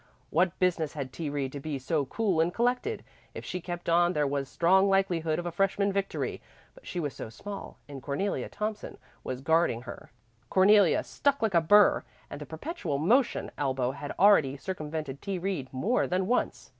What business had T. Reed to be so cool and collected? If she kept on, there was strong likelihood of a freshman victory. But she was so small, and Cornelia Thompson was guarding her Cornelia stuck like a burr, and the "perpetual motion" elbow had already circumvented T. Reed more than once.